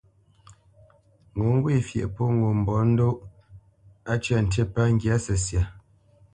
Ŋo ŋgwê fyeʼ pô ŋo mbolə́ndóʼ, á cə̂ ntî pə́ ŋgyǎ səsya.